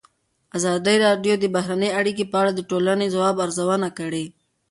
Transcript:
ازادي راډیو د بهرنۍ اړیکې په اړه د ټولنې د ځواب ارزونه کړې.